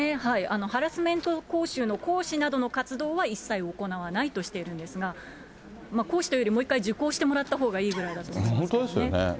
ハラスメント講習の講師などの活動は、一切行わないとしているんですが、講師というよりもう一回受講してもらったほうがいいぐらいだと思本当ですよね。